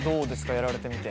やられてみて。